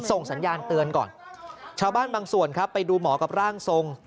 ส่งสัญญาณเตือนก่อนชาวบ้านบางส่วนครับไปดูหมอกับร่างทรง